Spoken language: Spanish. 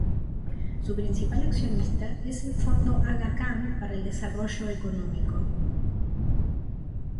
Su principal accionista es el Fondo Aga Khan para el Desarrollo Económico.